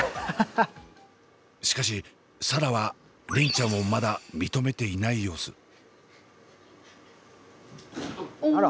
しかし紗蘭は梨鈴ちゃんをまだ認めていない様子。